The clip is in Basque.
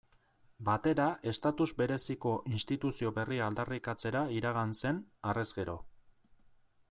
Batera estatus bereziko instituzio berria aldarrikatzera iragan zen, harrez gero.